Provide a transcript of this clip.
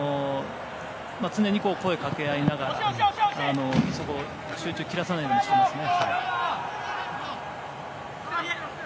常に声をかけ合いながら集中を切らさないようにしていますね。